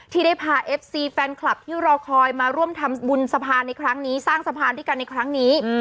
ที่ได้พาเอฟซีแฟนคลับที่รอคอยมาร่วมทำบุญสะพานในครั้งนี้สร้างสะพานด้วยกันในครั้งนี้